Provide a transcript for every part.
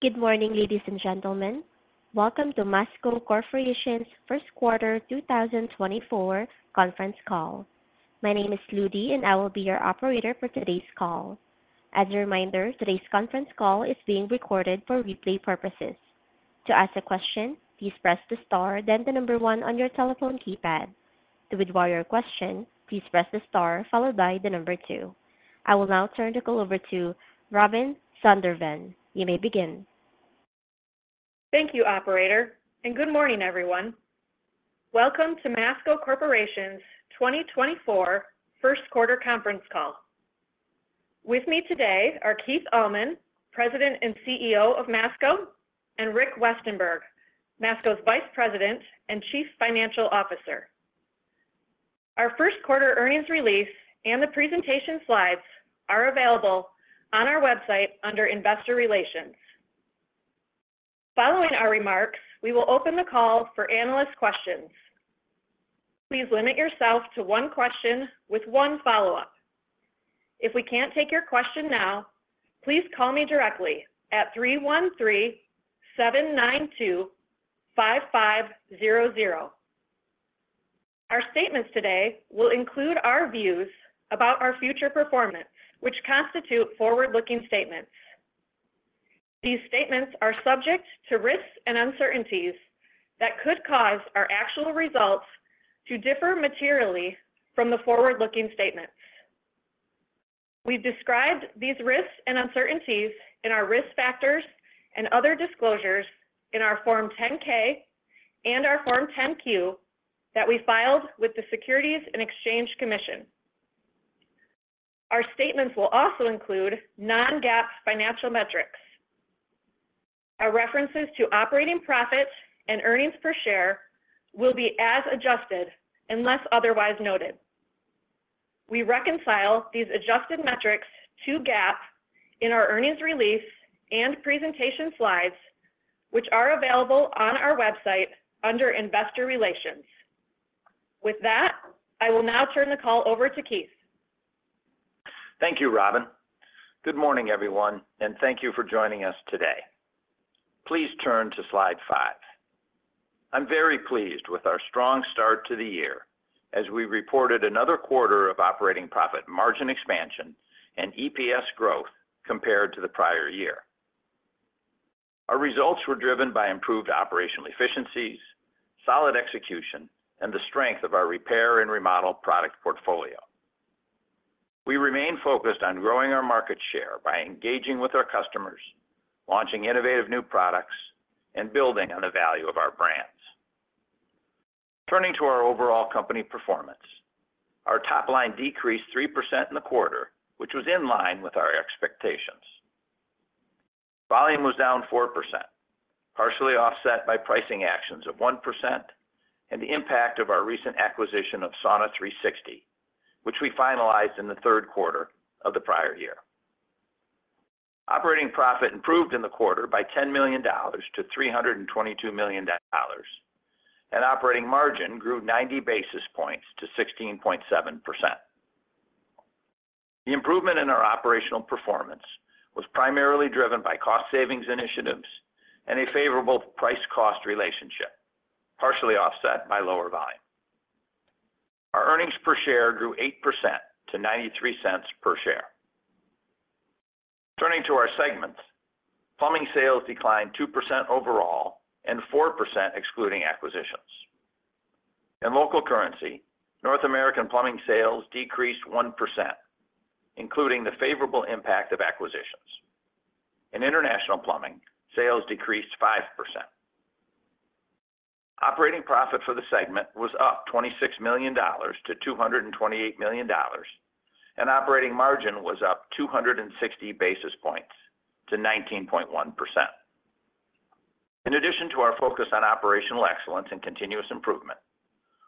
Good morning, ladies and gentlemen. Welcome to Masco Corporation's first quarter 2024 conference call. My name is Ludy, and I will be your operator for today's call. As a reminder, today's conference call is being recorded for replay purposes. To ask a question, please press the star, then the number one on your telephone keypad. To withdraw your question, please press the star followed by the number two. I will now turn the call over to Robin Zondervan. You may begin. Thank you, operator, and good morning, everyone. Welcome to Masco Corporation's 2024 first quarter conference call. With me today are Keith Allman, President and CEO of Masco, and Rick Westenberg, Masco's Vice President and Chief Financial Officer. Our first quarter earnings release and the presentation slides are available on our website under Investor Relations. Following our remarks, we will open the call for analyst questions. Please limit yourself to one question with one follow-up. If we can't take your question now, please call me directly at 313-792-5500. Our statements today will include our views about our future performance, which constitute forward-looking statements. These statements are subject to risks and uncertainties that could cause our actual results to differ materially from the forward-looking statements. We've described these risks and uncertainties in our risk factors and other disclosures in our Form 10-K and our Form 10-Q that we filed with the Securities and Exchange Commission. Our statements will also include non-GAAP financial metrics. Our references to operating profit and earnings per share will be as adjusted unless otherwise noted. We reconcile these adjusted metrics to GAAP in our earnings release and presentation slides, which are available on our website under Investor Relations. With that, I will now turn the call over to Keith. Thank you, Robin. Good morning, everyone, and thank you for joining us today. Please turn to slide five. I'm very pleased with our strong start to the year as we reported another quarter of operating profit, margin expansion, and EPS growth compared to the prior year. Our results were driven by improved operational efficiencies, solid execution, and the strength of our repair and remodel product portfolio. We remain focused on growing our market share by engaging with our customers, launching innovative new products, and building on the value of our brands. Turning to our overall company performance. Our top line decreased 3% in the quarter, which was in line with our expectations. Volume was down 4%, partially offset by pricing actions of 1% and the impact of our recent acquisition of Sauna360, which we finalized in the third quarter of the prior year. Operating profit improved in the quarter by $10 million-$322 million, and operating margin grew 90 basis points to 16.7%. The improvement in our operational performance was primarily driven by cost savings initiatives and a favorable price-cost relationship, partially offset by lower volume. Our earnings per share grew 8% to $0.93 per share. Turning to our segments, plumbing sales declined 2% overall and 4% excluding acquisitions. In local currency, North American plumbing sales decreased 1%, including the favorable impact of acquisitions. In international plumbing, sales decreased 5%. Operating profit for the segment was up $26 million-$228 million, and operating margin was up 260 basis points to 19.1%. In addition to our focus on operational excellence and continuous improvement,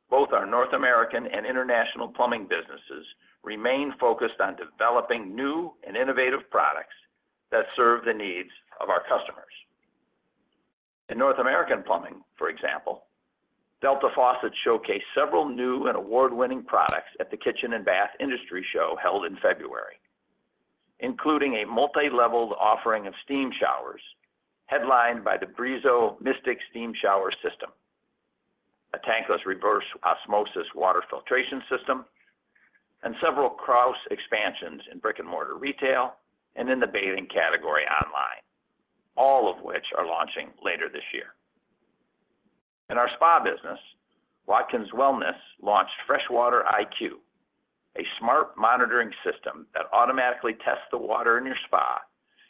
both our North American and international plumbing businesses remain focused on developing new and innovative products that serve the needs of our customers. In North American plumbing, for example, Delta Faucet showcased several new and award-winning products at the Kitchen and Bath Industry Show held in February, including a multi-leveled offering of steam showers, headlined by the Brizo Mystix Steam Shower System, a tankless reverse osmosis water filtration system, and several Kraus expansions in brick-and-mortar retail and in the bathing category online, all of which are launching later this year. In our spa business, Watkins Wellness launched FreshWater IQ, a smart monitoring system that automatically tests the water in your spa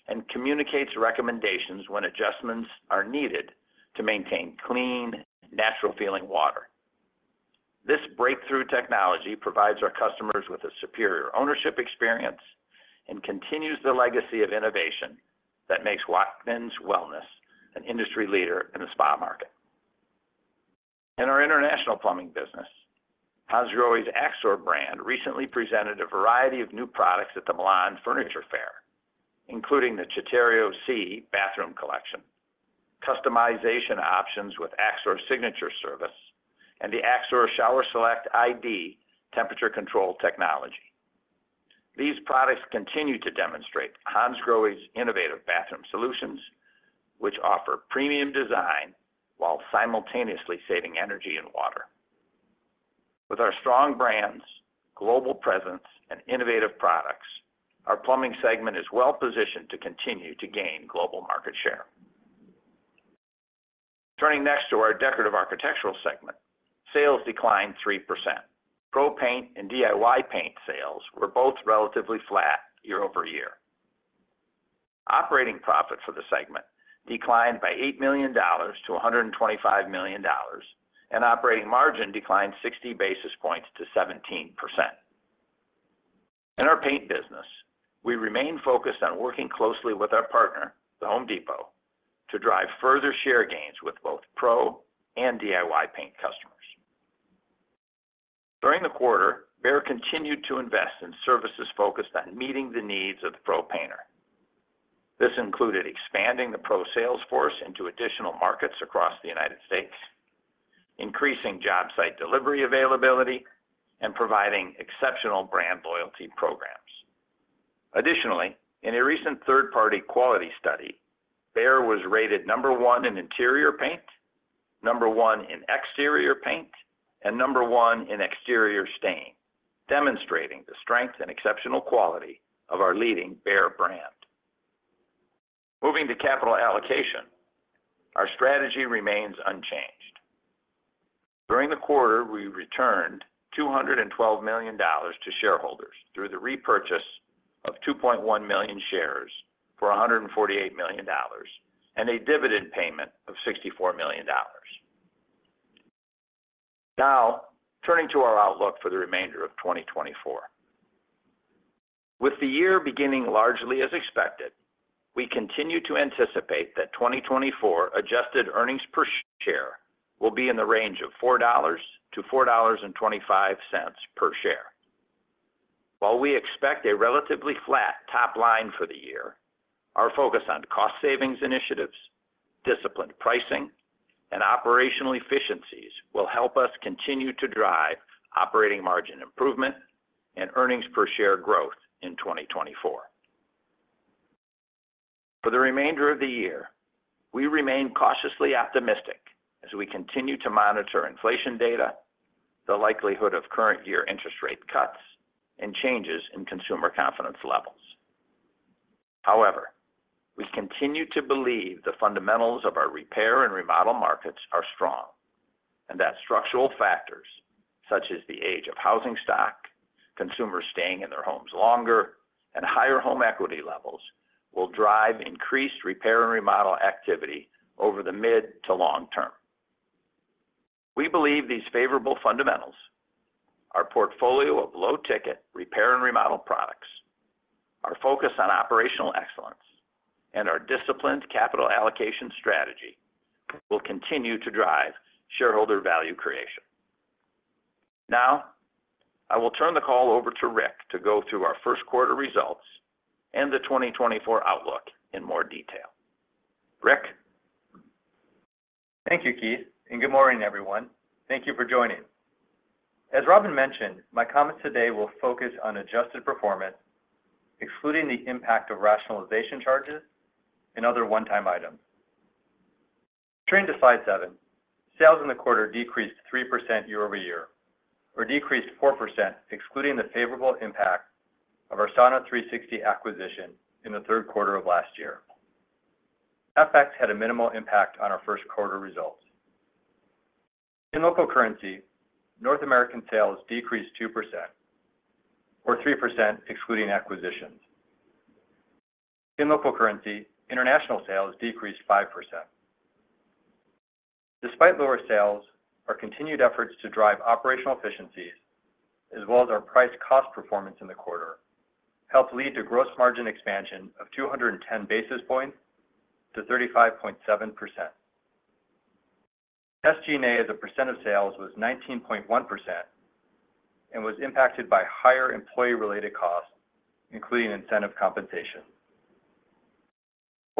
and communicates recommendations when adjustments are needed to maintain clean, natural-feeling water. This breakthrough technology provides our customers with a superior ownership experience and continues the legacy of innovation that makes Watkins Wellness an industry leader in the spa market. In our international plumbing business, Hansgrohe's Axor brand recently presented a variety of new products at the Milan Furniture Fair, including the Citterio C bathroom collection, customization options with Axor Signature service, and the Axor ShowerSelect ID temperature control technology... These products continue to demonstrate Hansgrohe's innovative bathroom solutions, which offer premium design while simultaneously saving energy and water. With our strong brands, global presence, and innovative products, our plumbing segment is well-positioned to continue to gain global market share. Turning next to our decorative architectural segment, sales declined 3%. Pro paint and DIY paint sales were both relatively flat year-over-year. Operating profit for the segment declined by $8 million-$125 million, and operating margin declined 60 basis points to 17%. In our paint business, we remain focused on working closely with our partner, The Home Depot, to drive further share gains with both Pro and DIY paint customers. During the quarter, Behr continued to invest in services focused on meeting the needs of the Pro painter. This included expanding the Pro sales force into additional markets across the United States, increasing job site delivery availability, and providing exceptional brand loyalty programs. Additionally, in a recent third-party quality study, Behr was rated number one in interior paint, number one in exterior paint, and number one in exterior stain, demonstrating the strength and exceptional quality of our leading Behr brand. Moving to capital allocation, our strategy remains unchanged. During the quarter, we returned $212 million to shareholders through the repurchase of 2.1 million shares for $148 million and a dividend payment of $64 million. Now, turning to our outlook for the remainder of 2024. With the year beginning largely as expected, we continue to anticipate that 2024 adjusted earnings per share will be in the range of $4-$4.25 per share. While we expect a relatively flat top line for the year, our focus on cost savings initiatives, disciplined pricing, and operational efficiencies will help us continue to drive operating margin improvement and earnings per share growth in 2024. For the remainder of the year, we remain cautiously optimistic as we continue to monitor inflation data, the likelihood of current year interest rate cuts, and changes in consumer confidence levels. However, we continue to believe the fundamentals of our repair and remodel markets are strong, and that structural factors such as the age of housing stock, consumers staying in their homes longer, and higher home equity levels, will drive increased repair and remodel activity over the mid to long term. We believe these favorable fundamentals, our portfolio of low-ticket repair and remodel products, our focus on operational excellence, and our disciplined capital allocation strategy, will continue to drive shareholder value creation. Now, I will turn the call over to Rick to go through our first quarter results and the 2024 outlook in more detail. Rick? Thank you, Keith, and good morning, everyone. Thank you for joining. As Robin mentioned, my comments today will focus on adjusted performance, excluding the impact of rationalization charges and other one time items. Turning to slide seven. Sales in the quarter decreased 3% year-over-year, or decreased 4%, excluding the favorable impact of our Sauna360 acquisition in the third quarter of last year. FX had a minimal impact on our first quarter results. In local currency, North American sales decreased 2% or 3%, excluding acquisitions. In local currency, international sales decreased 5%. Despite lower sales, our continued efforts to drive operational efficiencies, as well as our price-cost performance in the quarter, helped lead to gross margin expansion of 210 basis points to 35.7%. SG&A, as a percent of sales, was 19.1% and was impacted by higher employee-related costs, including incentive compensation.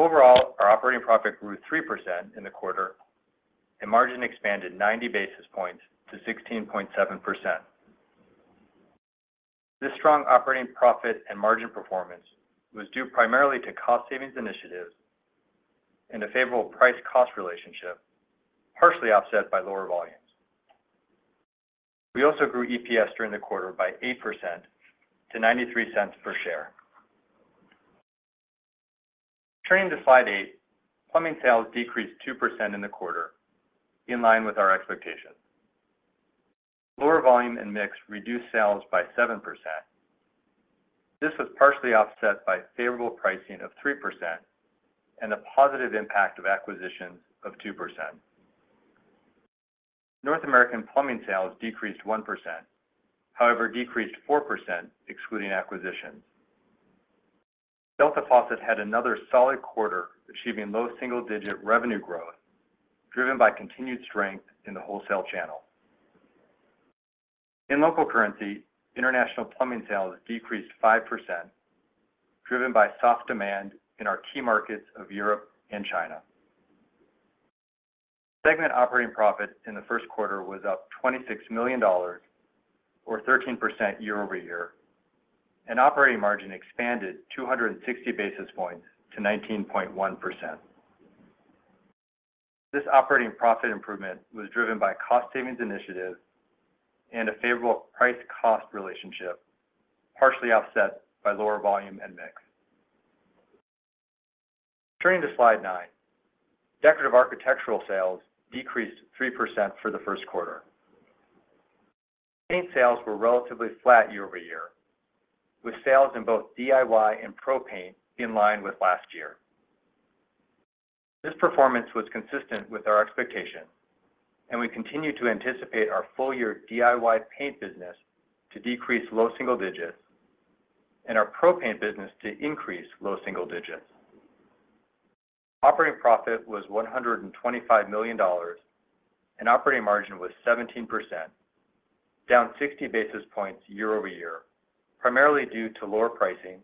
Overall, our operating profit grew 3% in the quarter, and margin expanded 90 basis points to 16.7%. This strong operating profit and margin performance was due primarily to cost savings initiatives and a favorable price-cost relationship, partially offset by lower volumes. We also grew EPS during the quarter by 8% to $0.93 per share. Turning to slide eight. Plumbing sales decreased 2% in the quarter, in line with our expectations. Lower volume and mix reduced sales by 7%. This was partially offset by favorable pricing of 3% and a positive impact of acquisitions of 2%. North American plumbing sales decreased 1%, however, decreased 4% excluding acquisitions. Delta Faucet had another solid quarter, achieving low single-digit revenue growth, driven by continued strength in the wholesale channel. In local currency, international plumbing sales decreased 5%, driven by soft demand in our key markets of Europe and China. Segment operating profit in the first quarter was up $26 million or 13% year-over-year, and operating margin expanded 260 basis points to 19.1%. This operating profit improvement was driven by cost savings initiatives and a favorable price-cost relationship, partially offset by lower volume and mix. Turning to slide nine. Decorative Architectural sales decreased 3% for the first quarter. Paint sales were relatively flat year-over-year, with sales in both DIY and Pro paint in line with last year. This performance was consistent with our expectations, and we continue to anticipate our full-year DIY paint business to decrease low single digits and our Pro paint business to increase low single digits. Operating profit was $125 million, and operating margin was 17%, down 60 basis points year-over-year, primarily due to lower pricing,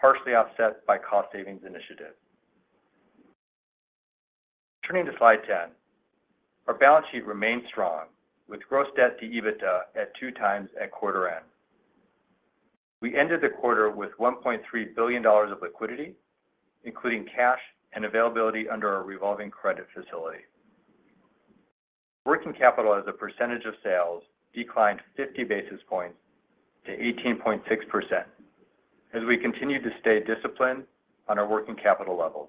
partially offset by cost savings initiatives. Turning to slide 10. Our balance sheet remains strong, with gross debt to EBITDA at 2x at quarter end. We ended the quarter with $1.3 billion of liquidity, including cash and availability under our revolving credit facility. Working capital as a percentage of sales declined 50 basis points to 18.6%, as we continue to stay disciplined on our working capital levels.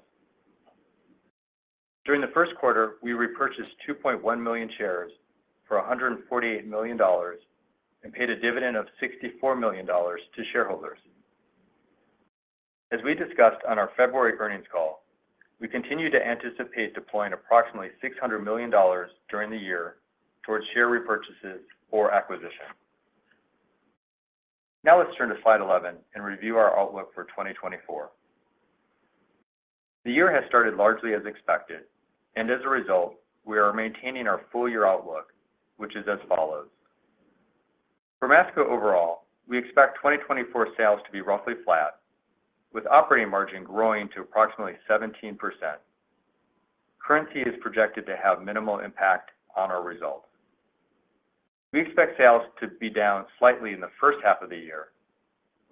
During the first quarter, we repurchased 2.1 million shares for $148 million and paid a dividend of $64 million to shareholders. As we discussed on our February earnings call, we continue to anticipate deploying approximately $600 million during the year towards share repurchases or acquisition. Now, let's turn to slide 11 and review our outlook for 2024. The year has started largely as expected, and as a result, we are maintaining our full-year outlook, which is as follows: For Masco overall, we expect 2024 sales to be roughly flat, with operating margin growing to approximately 17%. Currency is projected to have minimal impact on our results. We expect sales to be down slightly in the first half of the year,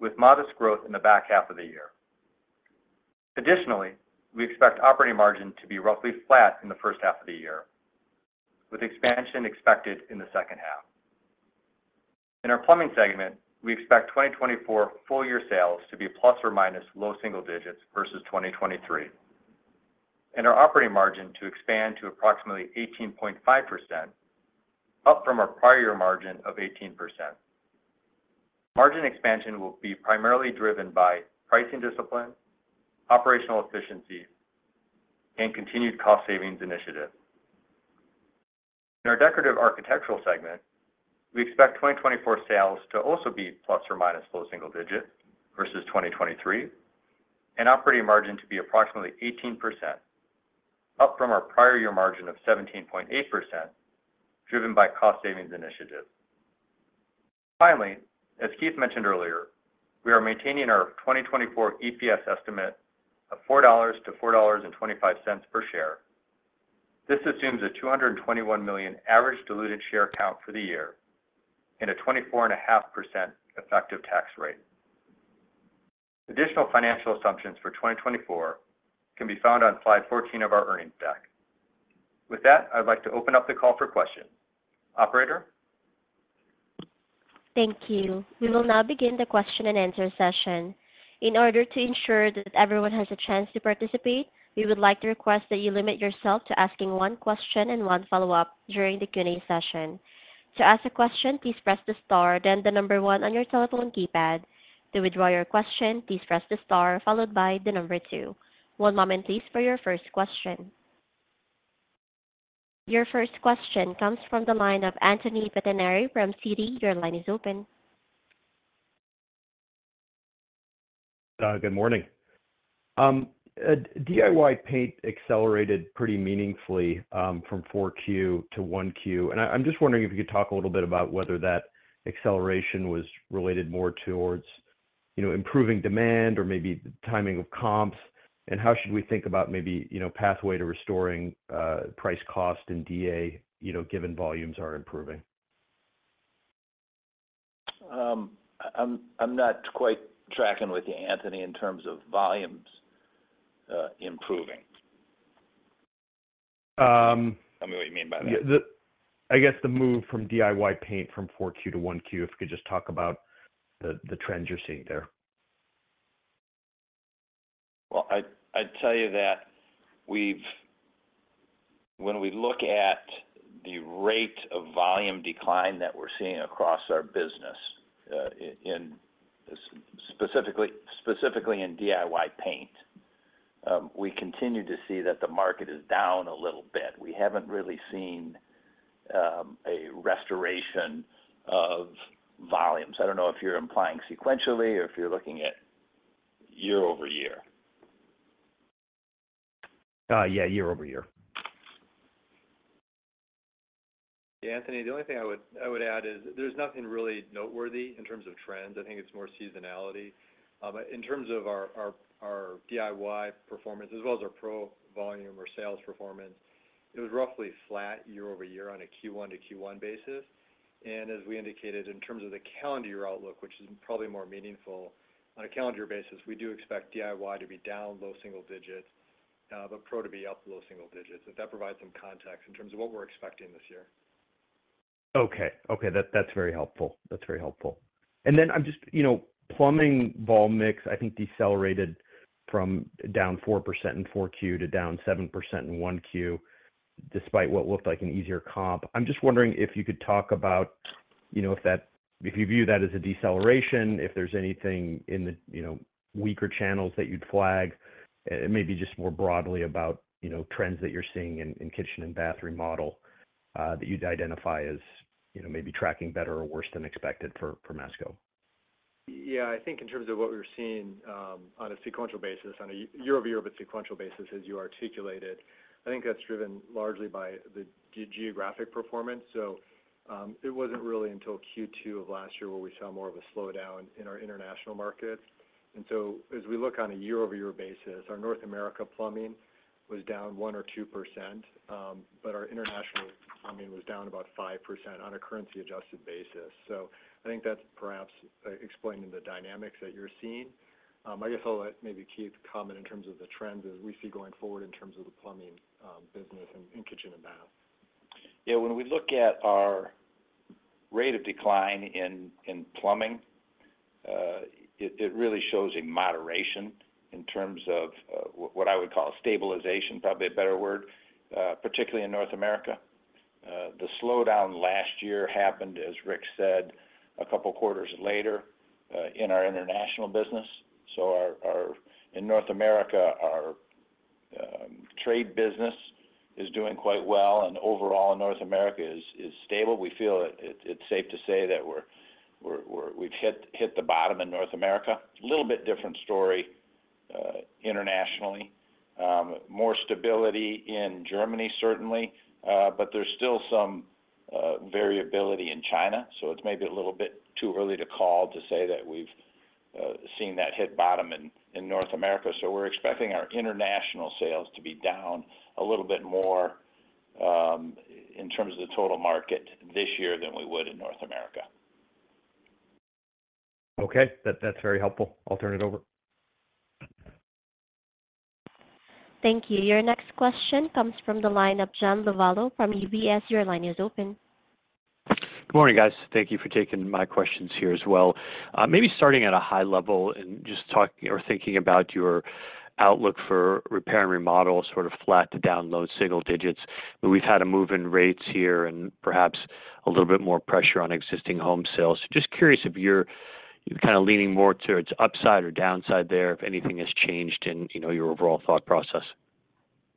with modest growth in the back half of the year. Additionally, we expect operating margin to be roughly flat in the first half of the year, with expansion expected in the second half. In our Plumbing segment, we expect 2024 full-year sales to be plus minus low single digits vs 2023, and our operating margin to expand to approximately 18.5%, up from our prior margin of 18%. Margin expansion will be primarily driven by pricing discipline, operational efficiency, and continued cost savings initiatives. In our Decorative Architectural segment, we expect 2024 sales to also be plus minus low single digits vs 2023, and operating margin to be approximately 18%, up from our prior year margin of 17.8%, driven by cost savings initiatives. Finally, as Keith mentioned earlier, we are maintaining our 2024 EPS estimate of $4-$4.25 per share. This assumes a 221 million average diluted share count for the year and a 24.5% effective tax rate. Additional financial assumptions for 2024 can be found on slide 14 of our earnings deck. With that, I'd like to open up the call for questions. Operator? Thank you. We will now begin the question-and-answer session. In order to ensure that everyone has a chance to participate, we would like to request that you limit yourself to asking one question and one follow-up during the Q&A session. To ask a question, please press the star, then the number one on your telephone keypad. To withdraw your question, please press the star followed by the number two. One moment, please, for your first question. Your first question comes from the line of Anthony Pettinari from Citi. Your line is open. Good morning. DIY paint accelerated pretty meaningfully from 4Q to 1Q, and I'm just wondering if you could talk a little bit about whether that acceleration was related more towards, you know, improving demand or maybe the timing of comps, and how should we think about maybe, you know, pathway to restoring price-cost in DA, you know, given volumes are improving? I'm not quite tracking with you, Anthony, in terms of volumes improving. Um. Tell me what you mean by that? I guess, the move from DIY paint from 4Q to 1Q, if you could just talk about the, the trends you're seeing there. Well, I'd tell you that when we look at the rate of volume decline that we're seeing across our business, specifically in DIY paint, we continue to see that the market is down a little bit. We haven't really seen a restoration of volumes. I don't know if you're implying sequentially or if you're looking at year-over-year. Yeah, year-over-year. Yeah, Anthony, the only thing I would add is there's nothing really noteworthy in terms of trends. I think it's more seasonality. But in terms of our DIY performance, as well as our pro volume or sales performance, it was roughly flat year-over-year on a Q1 to Q1 basis. And as we indicated, in terms of the calendar year outlook, which is probably more meaningful, on a calendar year basis, we do expect DIY to be down low single digits, but Pro to be up low single digits. If that provides some context in terms of what we're expecting this year. Okay. Okay, that's very helpful. That's very helpful. And then I'm just, you know, plumbing volume mix, I think decelerated from down 4% in Q4 to down 7% in Q1, despite what looked like an easier comp. I'm just wondering if you could talk about, you know, if that. if you view that as a deceleration, if there's anything in the, you know, weaker channels that you'd flag, and maybe just more broadly about, you know, trends that you're seeing in kitchen and bath remodel, that you'd identify as, you know, maybe tracking better or worse than expected for Masco. Yeah, I think in terms of what we're seeing, on a sequential basis, on a year-over-year, but sequential basis, as you articulated, I think that's driven largely by the geographic performance. So, it wasn't really until Q2 of last year, where we saw more of a slowdown in our international markets. And so as we look on a year-over-year basis, our North America plumbing was down 1% or 2%, but our international plumbing was down about 5% on a currency-adjusted basis. So I think that's perhaps explaining the dynamics that you're seeing. I guess I'll let maybe Keith comment in terms of the trends as we see going forward in terms of the plumbing business in kitchen and bath. Yeah, when we look at our rate of decline in plumbing, it really shows a moderation in terms of what I would call a stabilization, probably a better word, particularly in North America. The slowdown last year happened, as Rick said, a couple of quarters later in our international business. So in North America, our trade business is doing quite well, and overall, North America is stable. We feel it's safe to say that we're, we've hit the bottom in North America. A little bit different story internationally. More stability in Germany, certainly, but there's still some variability in China, so it's maybe a little bit too early to say that we've seen that hit bottom in North America. So we're expecting our international sales to be down a little bit more, in terms of the total market this year, than we would in North America. Okay. That's very helpful. I'll turn it over. Thank you. Your next question comes from the line of John Lovallo from UBS. Your line is open. Good morning, guys. Thank you for taking my questions here as well. Maybe starting at a high level and just talk or thinking about your outlook for repair and remodel, sort of flat to down low single digits, but we've had a move in rates here and perhaps a little bit more pressure on existing home sales. So just curious if you're, you're kind of leaning more towards upside or downside there, if anything has changed in, you know, your overall thought process.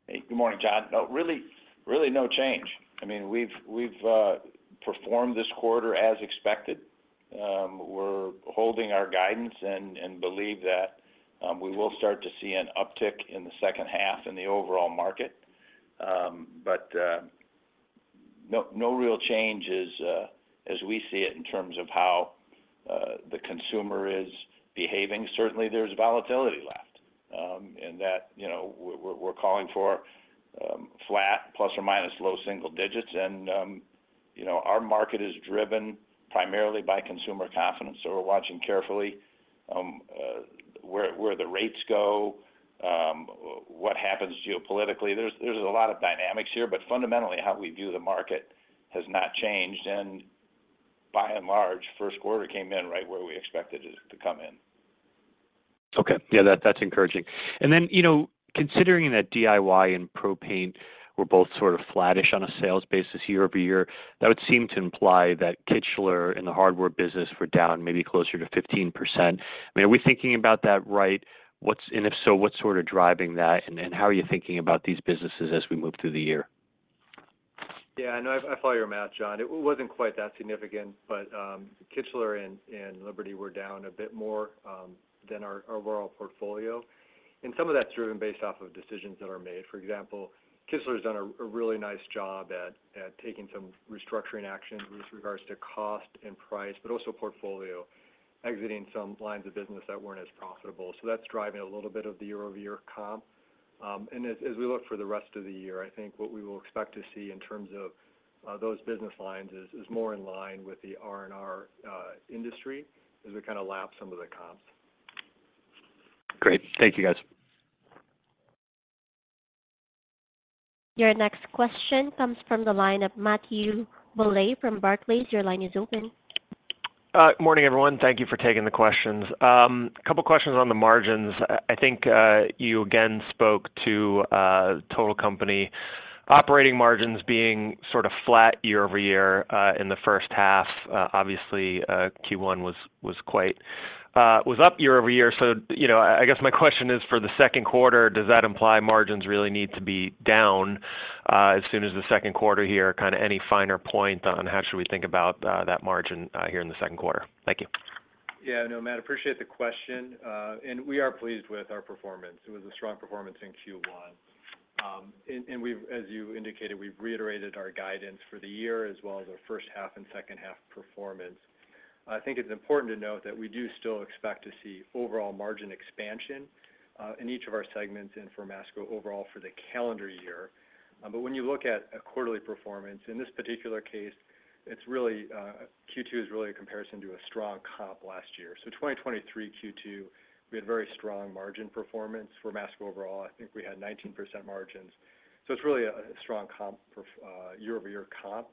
Hey, good morning, John. No, really, really no change. I mean, we've performed this quarter as expected. We're holding our guidance and believe that we will start to see an uptick in the second half in the overall market. But no real change as we see it in terms of how the consumer is behaving. Certainly, there's volatility left, and that, you know, we're calling for flat, plus or minus low single digits, and you know, our market is driven primarily by consumer confidence. So we're watching carefully where the rates go, what happens geopolitically. There's a lot of dynamics here, but fundamentally, how we view the market has not changed, and by and large, first quarter came in right where we expected it to come in. Okay. Yeah, that's encouraging. And then, you know, considering that DIY and Pro were both sort of flattish on a sales basis year-over-year, that would seem to imply that Kichler and the hardware business were down maybe closer to 15%. I mean, are we thinking about that right? What's and if so, what's sort of driving that, and, and how are you thinking about these businesses as we move through the year? Yeah, I know. I follow your math, John. It wasn't quite that significant, but Kichler and Liberty were down a bit more than our overall portfolio, and some of that's driven based off of decisions that are made. For example, Kichler has done a really nice job at taking some restructuring action with regards to cost and price, but also portfolio, exiting some lines of business that weren't as profitable. So that's driving a little bit of the year-over-year comp. And as we look for the rest of the year, I think what we will expect to see in terms of those business lines is more in line with the R&R industry as we kind of lap some of the comps. Great. Thank you, guys. Your next question comes from the line of Matthew Bouley from Barclays. Your line is open. Morning, everyone. Thank you for taking the questions. A couple of questions on the margins. I think you again spoke to total company operating margins being sort of flat year-over-year in the first half. Obviously, Q1 was quite up year-over-year. So, you know, I guess my question is, for the second quarter, does that imply margins really need to be down as soon as the second quarter here? Kind of any finer point on how should we think about that margin here in the second quarter? Thank you. Yeah, no, Matt, appreciate the question. And we are pleased with our performance. It was a strong performance in Q1. And we've, as you indicated, we've reiterated our guidance for the year, as well as our first half and second half performance. I think it's important to note that we do still expect to see overall margin expansion in each of our segments and for Masco overall for the calendar year. But when you look at a quarterly performance, in this particular case, it's really Q2 is really a comparison to a strong comp last year. So 2023 Q2, we had very strong margin performance for Masco overall. I think we had 19% margins. So it's really a strong comp year-over-year comp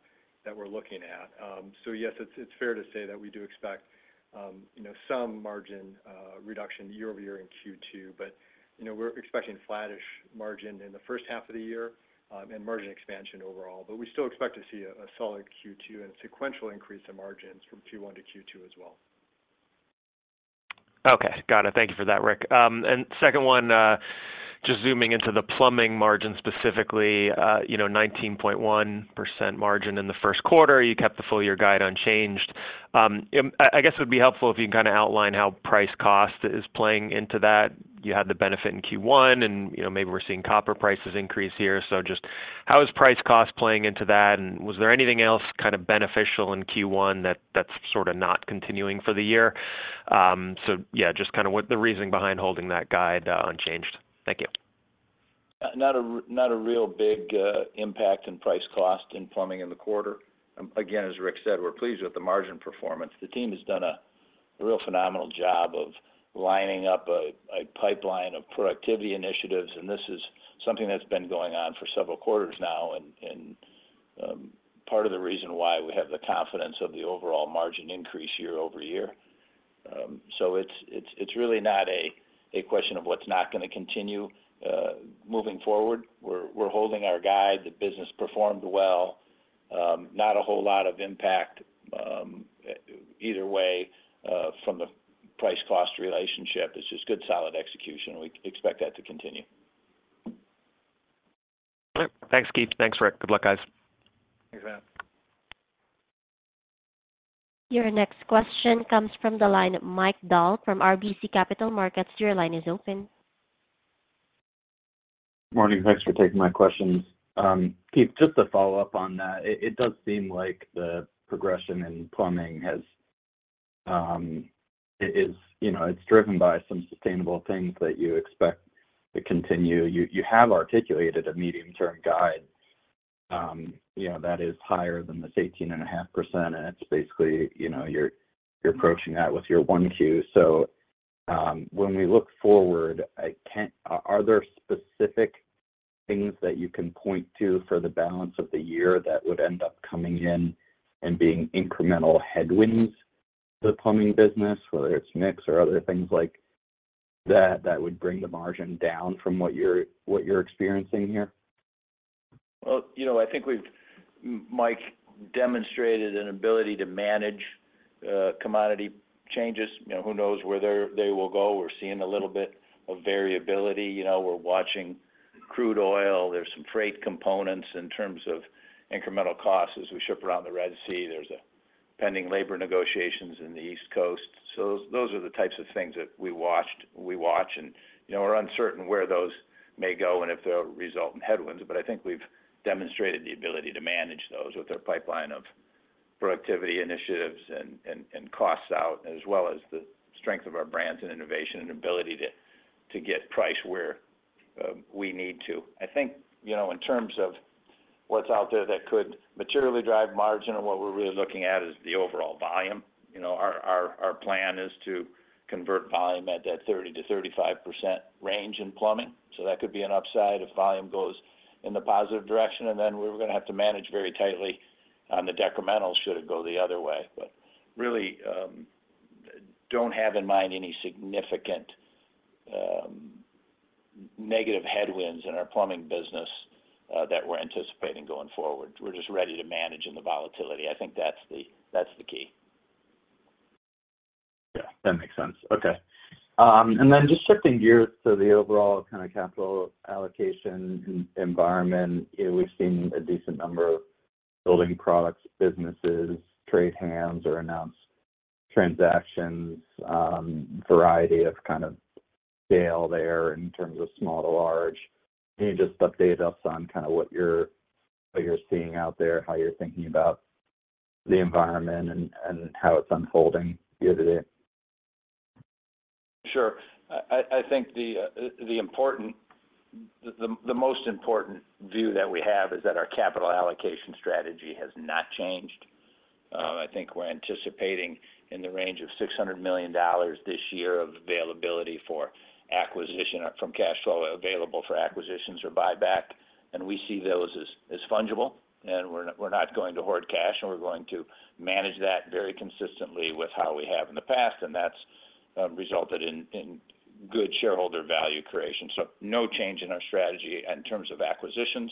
that we're looking at. So yes, it's, it's fair to say that we do expect, you know, some margin reduction year-over-year in Q2, but, you know, we're expecting flattish margin in the first half of the year, and margin expansion overall. But we still expect to see a, a solid Q2 and a sequential increase in margins from Q1 to Q2 as well. Okay. Got it. Thank you for that, Rick. And second one, just zooming into the plumbing margin, specifically, you know, 19.1% margin in the first quarter, you kept the full year guide unchanged. I guess it would be helpful if you can kinda outline how price cost is playing into that. You had the benefit in Q1, and, you know, maybe we're seeing copper prices increase here. So just how is price cost playing into that? And was there anything else kind of beneficial in Q1 that's sorta not continuing for the year? So yeah, just kinda what the reasoning behind holding that guide, unchanged. Thank you. Not a real big impact in price-cost in plumbing in the quarter. Again, as Rick said, we're pleased with the margin performance. The team has done a real phenomenal job of lining up a pipeline of productivity initiatives, and this is something that's been going on for several quarters now, and part of the reason why we have the confidence of the overall margin increase year-over-year. So it's really not a question of what's not gonna continue moving forward. We're holding our guide. The business performed well. Not a whole lot of impact, either way, from the price-cost relationship. It's just good, solid execution, and we expect that to continue. All right. Thanks, Keith. Thanks, Rick. Good luck, guys. Thanks, Matt. Your next question comes from the line of Mike Dahl from RBC Capital Markets. Your line is open. Morning, thanks for taking my questions. Keith, just to follow up on that, it, it does seem like the progression in plumbing has, it is, you know, it's driven by some sustainable things that you expect to continue. You, you have articulated a medium-term guide, you know, that is higher than this 18.5%, and it's basically, you know, you're, you're approaching that with your 1Q. So, when we look forward, are there specific things that you can point to for the balance of the year that would end up coming in and being incremental headwinds to the plumbing business, whether it's mix or other things like that, that would bring the margin down from what you're, what you're experiencing here? Well, you know, I think we've, Mike, demonstrated an ability to manage commodity changes. You know, who knows where they will go? We're seeing a little bit of variability. You know, we're watching crude oil. There's some freight components in terms of incremental costs as we ship around the Red Sea. There's a pending labor negotiations in the East Coast. So those are the types of things that we watch, and, you know, we're uncertain where those may go and if they'll result in headwinds, but I think we've demonstrated the ability to manage those with a pipeline of productivity initiatives and costs out, as well as the strength of our brands and innovation and ability to get price where we need to. I think, you know, in terms of what's out there that could materially drive margin, and what we're really looking at is the overall volume. You know, our plan is to convert volume at that 30%-35% range in plumbing, so that could be an upside if volume goes in the positive direction, and then we're gonna have to manage very tightly on the decrementals, should it go the other way. But really, don't have in mind any significant negative headwinds in our plumbing business that we're anticipating going forward. We're just ready to manage in the volatility. I think that's the key. Yeah, that makes sense. Okay. And then just shifting gears to the overall kind of capital allocation environment, we've seen a decent number of building products, businesses, traded hands or announce transactions, variety of kind of scale there in terms of small to large. Can you just update us on kind of what you're seeing out there, how you're thinking about the environment and how it's unfolding year-to-date? Sure. I think the most important view that we have is that our capital allocation strategy has not changed. I think we're anticipating in the range of $600 million this year of availability for acquisition or from cash flow available for acquisitions or buyback, and we see those as fungible, and we're not going to hoard cash, and we're going to manage that very consistently with how we have in the past, and that's resulted in good shareholder value creation. So no change in our strategy in terms of acquisitions,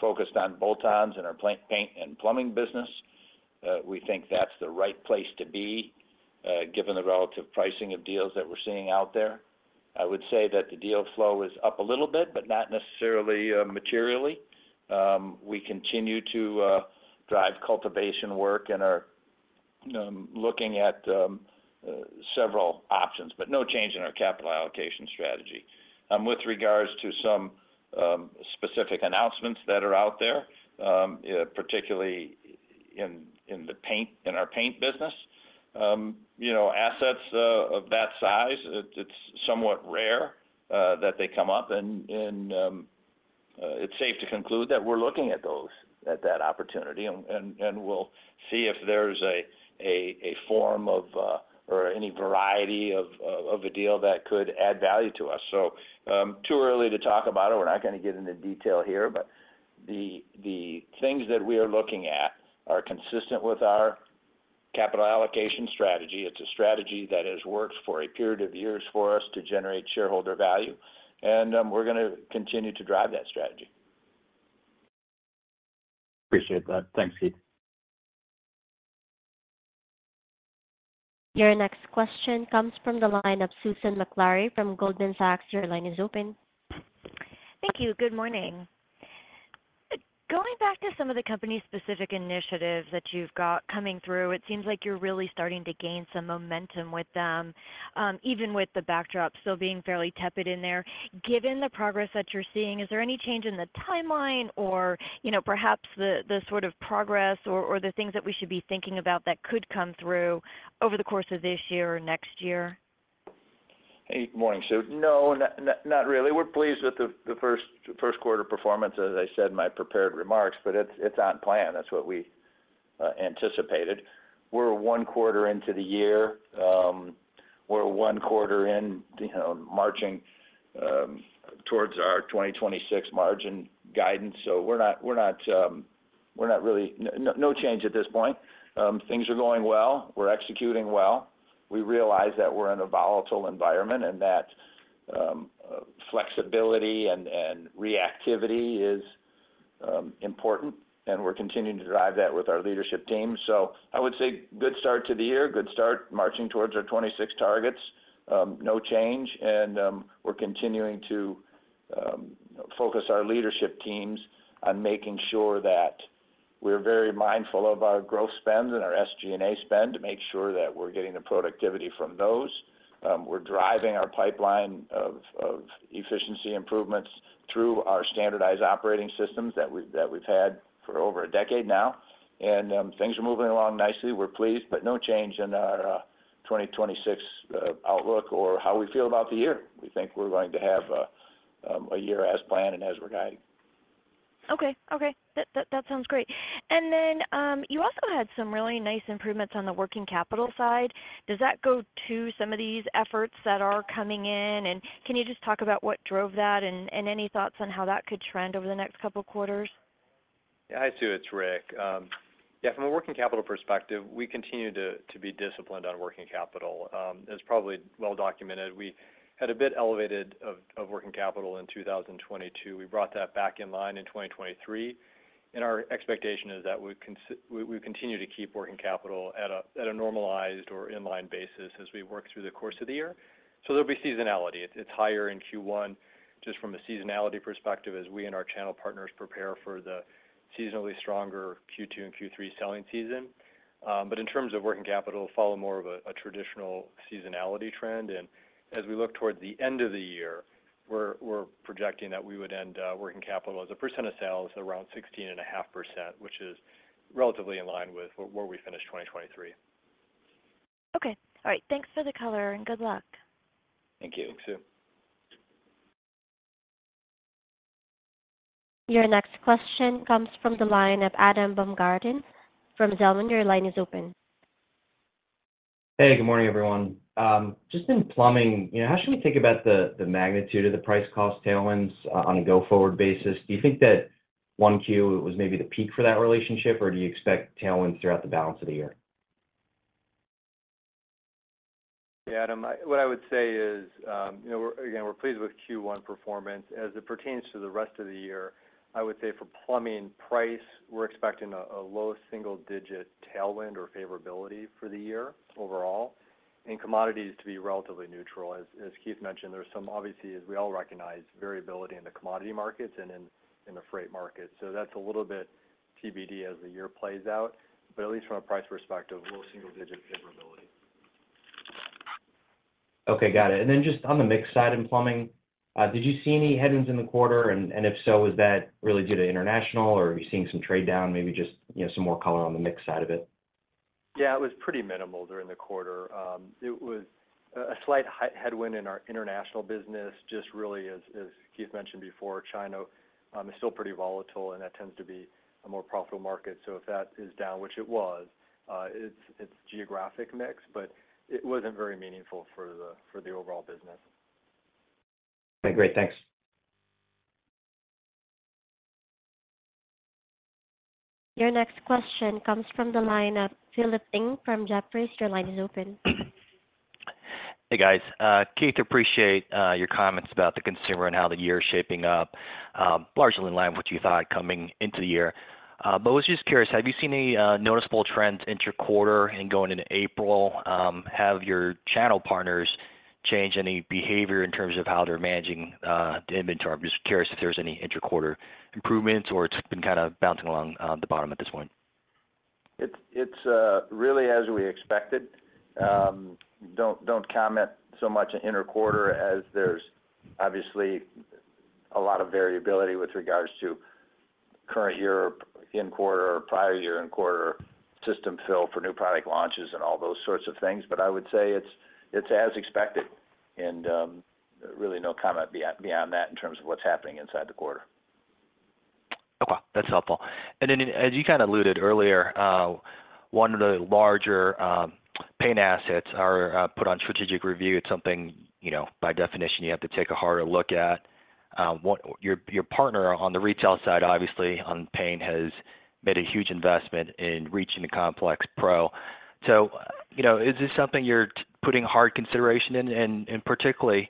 focused on bolt-ons in our plant, paint, and plumbing business. We think that's the right place to be, given the relative pricing of deals that we're seeing out there. I would say that the deal flow is up a little bit, but not necessarily materially. We continue to drive cultivation work and are looking at several options, but no change in our capital allocation strategy. With regards to some specific announcements that are out there, particularly in the paint, in our paint business, you know, assets of that size, it's somewhat rare that they come up, and it's safe to conclude that we're looking at those, at that opportunity, and we'll see if there's a form of or any variety of a deal that could add value to us. So, too early to talk about it. We're not gonna get into detail here, but the things that we are looking at are consistent with our capital allocation strategy. It's a strategy that has worked for a period of years for us to generate shareholder value, and we're gonna continue to drive that strategy. Appreciate that. Thanks, Keith. Your next question comes from the line of Susan Maklari from Goldman Sachs. Your line is open. Thank you. Good morning. Going back to some of the company's specific initiatives that you've got coming through, it seems like you're really starting to gain some momentum with them, even with the backdrop still being fairly tepid in there. Given the progress that you're seeing, is there any change in the timeline or, you know, perhaps the, the sort of progress or, or the things that we should be thinking about that could come through over the course of this year or next year? Hey, good morning, Sue. No, not really. We're pleased with the first quarter performance, as I said in my prepared remarks, but it's on plan. That's what we anticipated. We're one quarter into the year. We're one quarter in, you know, marching towards our 2026 margin guidance. So we're not really no, no change at this point. Things are going well. We're executing well. We realize that we're in a volatile environment, and that flexibility and reactivity is important, and we're continuing to drive that with our leadership team. So I would say good start to the year, good start marching towards our 2026 targets. No change, and we're continuing to focus our leadership teams on making sure that we're very mindful of our growth spends and our SG&A spend to make sure that we're getting the productivity from those. We're driving our pipeline of efficiency improvements through our standardized operating systems that we've had for over a decade now. And things are moving along nicely. We're pleased, but no change in our 2026 outlook or how we feel about the year. We think we're going to have a year as planned and as we're guiding. Okay. Okay, that sounds great. And then, you also had some really nice improvements on the working capital side. Does that go to some of these efforts that are coming in? And can you just talk about what drove that and any thoughts on how that could trend over the next couple of quarters? Yeah. Hi, Sue, it's Rick. Yeah, from a working capital perspective, we continue to be disciplined on working capital. It's probably well documented. We had a bit elevated of working capital in 2022. We brought that back in line in 2023, and our expectation is that we continue to keep working capital at a normalized or in-line basis as we work through the course of the year. So there'll be seasonality. It's higher in Q1, just from a seasonality perspective, as we and our channel partners prepare for the seasonally stronger Q2 and Q3 selling season. But in terms of working capital, follow more of a traditional seasonality trend. And as we look toward the end of the year, we're projecting that we would end working capital as a percent of sales around 16.5%, which is relatively in line with where we finished 2023. Okay. All right, thanks for the color, and good luck. Thank you. Thanks, Sue. Your next question comes from the line of Adam Baumgarten from Zelman. Your line is open. Hey, good morning, everyone. Just in plumbing, you know, how should we think about the magnitude of the price-cost tailwinds on a go-forward basis? Do you think that 1Q was maybe the peak for that relationship, or do you expect tailwinds throughout the balance of the year? Yeah, Adam, what I would say is, you know, we're, again, we're pleased with Q1 performance. As it pertains to the rest of the year, I would say for plumbing price, we're expecting a low single digit tailwind or favorability for the year overall, and commodities to be relatively neutral. As Keith mentioned, there's some, obviously, as we all recognize, variability in the commodity markets and in the freight market. So that's a little bit TBD as the year plays out, but at least from a price perspective, low single digit favorability. Okay, got it. And then just on the mix side in plumbing, did you see any headwinds in the quarter? And if so, was that really due to international, or are you seeing some trade-down, maybe just, you know, some more color on the mix side of it? Yeah, it was pretty minimal during the quarter. It was a slight headwind in our international business, just really, as Keith mentioned before, China is still pretty volatile, and that tends to be a more profitable market. So if that is down, which it was, it's geographic mix, but it wasn't very meaningful for the overall business. Okay, great. Thanks. Your next question comes from the line of Philip Ng from Jefferies. Your line is open. Hey, guys. Keith, appreciate your comments about the consumer and how the year is shaping up, largely in line with what you thought coming into the year. But was just curious, have you seen any noticeable trends interquarter and going into April, have your channel partners change any behavior in terms of how they're managing the inventory? I'm just curious if there's any inter-quarter improvements or it's been kind of bouncing along the bottom at this point. It's really as we expected. Don't comment so much in inter-quarter, as there's obviously a lot of variability with regards to current year in quarter or prior year in quarter system fill for new product launches and all those sorts of things. But I would say it's as expected, and really no comment beyond that in terms of what's happening inside the quarter. Okay, that's helpful. And then as you kind of alluded earlier, one of the larger paint assets are put on strategic review. It's something, you know, by definition, you have to take a harder look at. Your partner on the retail side, obviously, on paint, has made a huge investment in reaching the complex Pro. So, you know, is this something you're putting hard consideration in? And, particularly,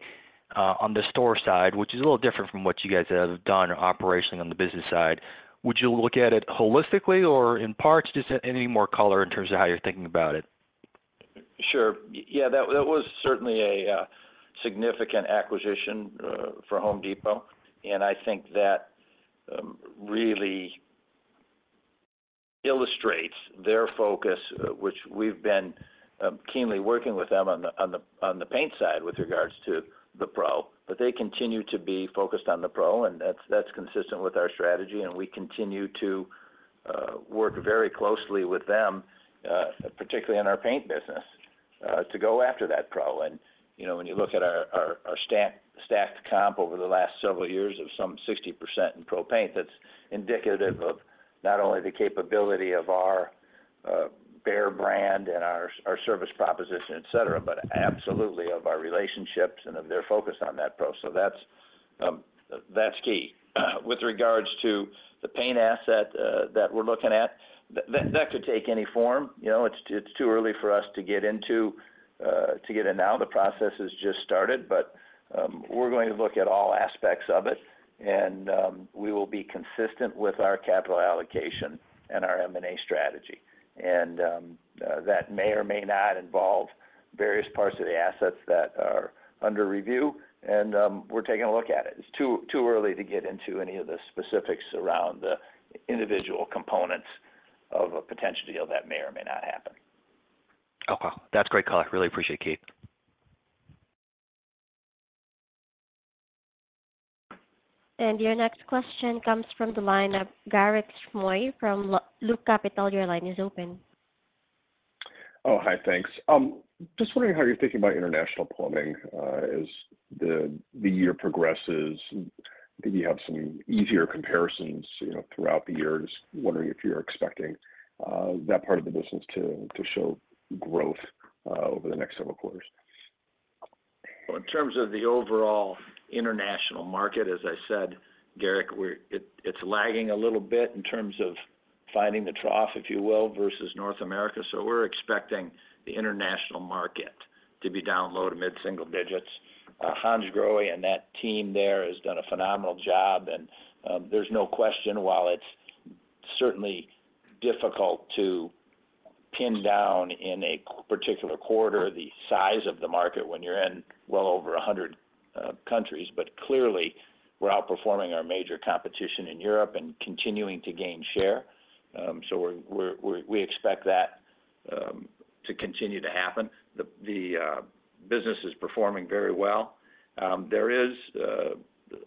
on the store side, which is a little different from what you guys have done operationally on the business side, would you look at it holistically or in parts? Just any more color in terms of how you're thinking about it. Sure. Yeah, that was certainly a significant acquisition for Home Depot. And I think that really illustrates their focus, which we've been keenly working with them on the paint side with regards to the Pro. But they continue to be focused on the Pro, and that's consistent with our strategy, and we continue to work very closely with them, particularly in our paint business, to go after that Pro. And, you know, when you look at our stacked comp over the last several years of some 60% in Pro paint, that's indicative of not only the capability of our Behr brand and our service proposition, et cetera, but absolutely of our relationships and of their focus on that Pro. So that's key. With regards to the paint asset that we're looking at, that could take any form. You know, it's too early for us to get into now. The process has just started. But we're going to look at all aspects of it, and we will be consistent with our capital allocation and our M&A strategy. And that may or may not involve various parts of the assets that are under review, and we're taking a look at it. It's too early to get into any of the specifics around the individual components of a potential deal that may or may not happen. Okay. That's great, Keith. Really appreciate, Keith. Your next question comes from the line of Garik Shmois from Loop Capital. Your line is open. Oh, hi, thanks. Just wondering how you're thinking about international plumbing, as the year progresses, maybe you have some easier comparisons, you know, throughout the year. Just wondering if you're expecting that part of the business to show growth over the next several quarters? Well, in terms of the overall international market, as I said, Garik, it's lagging a little bit in terms of finding the trough, if you will, vs North America. So we're expecting the international market to be down low- to mid-single digits. Hansgrohe and that team there has done a phenomenal job, and there's no question, while it's certainly difficult to pin down in a particular quarter, the size of the market when you're in well over 100 countries. But clearly, we're outperforming our major competition in Europe and continuing to gain share. So we're - we expect that to continue to happen. The business is performing very well. There is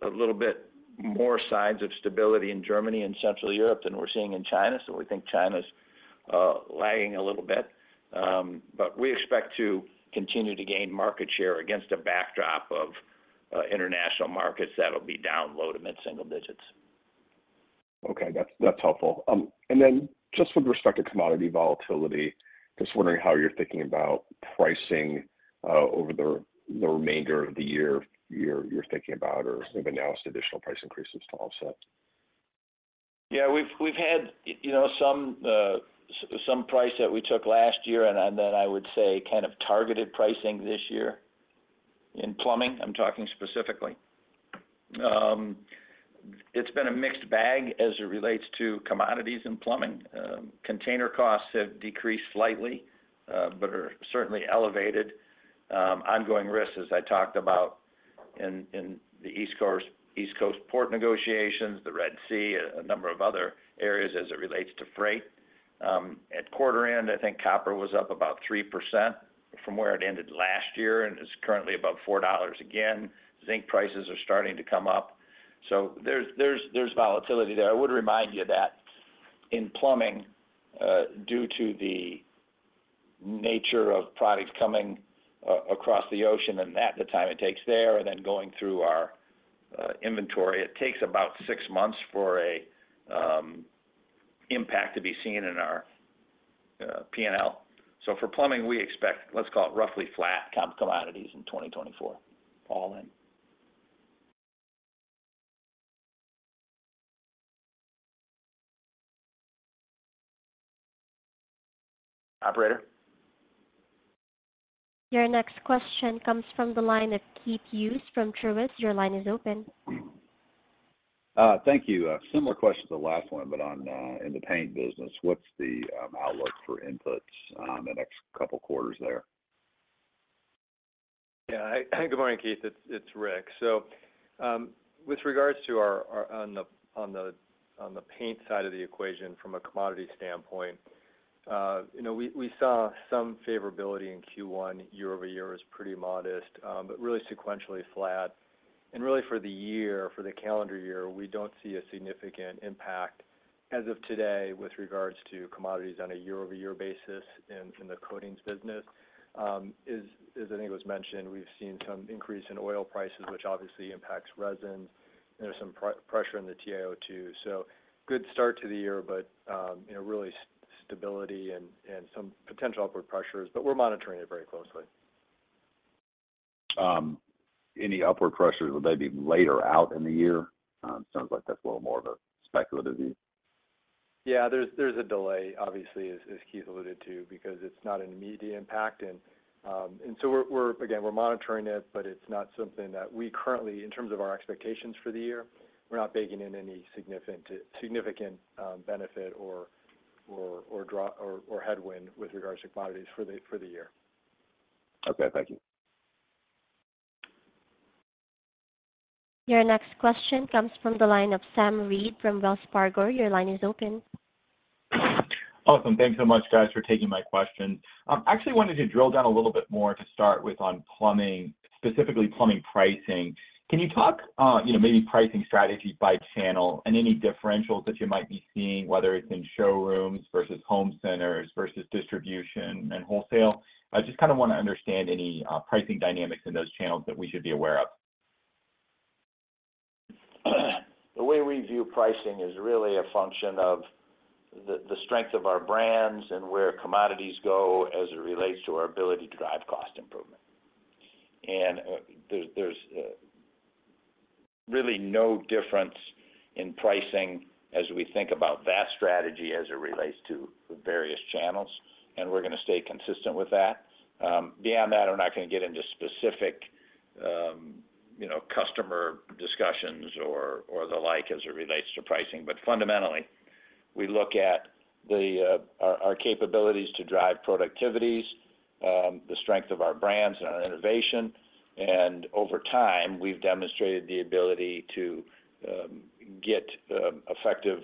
a little bit more signs of stability in Germany and Central Europe than we're seeing in China, so we think China's lagging a little bit. But we expect to continue to gain market share against a backdrop of international markets that'll be down low to mid-single digits. Okay, that's, that's helpful. And then just with respect to commodity volatility, just wondering how you're thinking about pricing over the remainder of the year you're thinking about, or you've announced additional price increases to offset? Yeah, we've had, you know, some price that we took last year, and then I would say, kind of targeted pricing this year in plumbing. I'm talking specifically. It's been a mixed bag as it relates to commodities in plumbing. Container costs have decreased slightly, but are certainly elevated. Ongoing risks, as I talked about in the East Coast port negotiations, the Red Sea, a number of other areas as it relates to freight. At quarter end, I think copper was up about 3% from where it ended last year, and it's currently above $4 again. Zinc prices are starting to come up. So there's volatility there. I would remind you that in plumbing, due to the nature of products coming across the ocean and that the time it takes there, and then going through our inventory, it takes about six months for an impact to be seen in our PNL. So for plumbing, we expect, let's call it roughly flat commodities in 2024. All in. Operator? Your next question comes from the line of Keith Hughes from Truist. Your line is open. Thank you. Similar question to the last one, but on, in the paint business. What's the outlook for inputs, the next couple quarters there? Yeah. Hi, good morning, Keith. It's Rick. So, with regards to our on the paint side of the equation from a commodity standpoint, you know, we saw some favorability in Q1. Year-over-year was pretty modest, but really sequentially flat. And really, for the year, for the calendar year, we don't see a significant impact as of today with regards to commodities on a year-over-year basis in the coatings business. As I think it was mentioned, we've seen some increase in oil prices, which obviously impacts resin, and there's some pressure in the TiO2. So good start to the year, but you know, really stability and some potential upward pressures, but we're monitoring it very closely. Any upward pressures, would they be later out in the year? Sounds like that's a little more of a speculative view. Yeah, there's a delay, obviously, as Keith alluded to, because it's not an immediate impact. And so we're, again, we're monitoring it, but it's not something that we currently, in terms of our expectations for the year, we're not baking in any significant benefit or drop or headwind with regards to commodities for the year. Okay. Thank you. Your next question comes from the line of Sam Reid from Wells Fargo. Your line is open. Awesome. Thanks so much, guys, for taking my question. Actually wanted to drill down a little bit more, to start with, on plumbing, specifically plumbing pricing. Can you talk, you know, maybe pricing strategy by channel and any differentials that you might be seeing, whether it's in showrooms vs home centers vs distribution and wholesale? I just kinda wanna understand any pricing dynamics in those channels that we should be aware of. The way we view pricing is really a function of the strength of our brands and where commodities go as it relates to our ability to drive cost improvement. And, there's really no difference in pricing as we think about that strategy as it relates to the various channels, and we're gonna stay consistent with that. Beyond that, I'm not gonna get into specific, you know, customer discussions or the like, as it relates to pricing. But fundamentally, we look at our capabilities to drive productivities, the strength of our brands and our innovation. And over time, we've demonstrated the ability to get effective